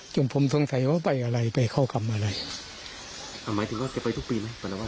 จงผมสงสัยว่าไปอะไรไปเข้ากรรมอะไร